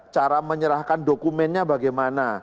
cara menyerahkan dokumennya bagaimana